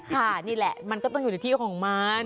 นี่แหละมันก็ต้องอยู่ในที่ของมัน